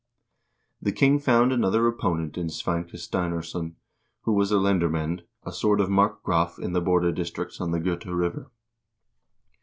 The king found another opponent in Sveinke Steinarsson, who was a lendermand, a sort of markgraf in the border districts on the Gota River.